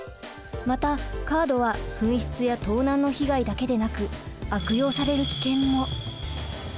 またカードは紛失や盗難の被害だけでなく悪用される危険も。